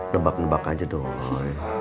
nebak nebak aja doi